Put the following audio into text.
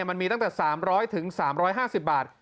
มันมีตั้งแต่๓๐๐๓๕๐บาท